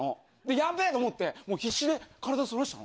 やべーって思って、必死で体そらしたの。